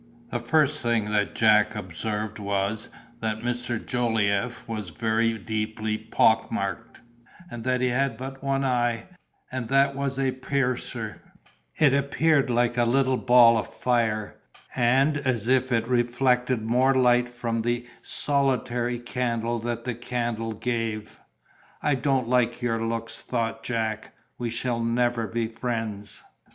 The first thing that Jack observed was, that Mr. Jolliffe was very deeply pockmarked, and that he had but one eye, and that was a piercer; it appeared like a little ball of fire, and as if it reflected more light from the solitary candle than the candle gave. "I don't like your looks," thought Jack; "we shall never be friends."